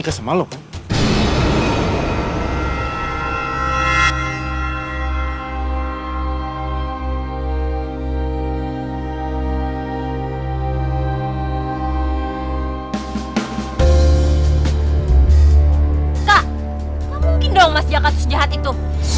kak tak mungkin dong mas jaka tuh sejahat itu